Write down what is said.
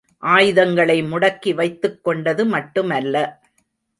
ஆயுதங்களை முடக்கி வைத்துக் கொண்டது மட்டுமல்ல.